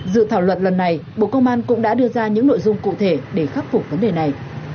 dự thảo luật lần này bộ công an cũng đã đưa ra những nội dung cụ thể để khắc phục vấn đề này